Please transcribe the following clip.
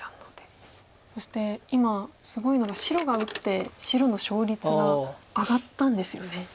そして今すごいのが白が打って白の勝率が上がったんですよね。